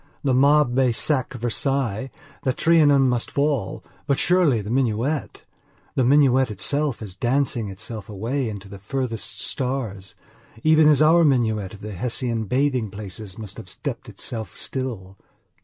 The mob may sack Versailles; the Trianon may fall, but surely the minuetthe minuet itself is dancing itself away into the furthest stars, even as our minuet of the Hessian bathing places must be stepping itself still.